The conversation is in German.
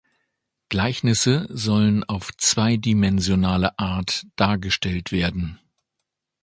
Gleichnisse sollen auf zweidimensionale Art dargestellt werden.